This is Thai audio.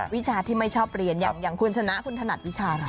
วิชาที่ไม่ชอบเรียนอย่างคุณชนะคุณถนัดวิชาอะไร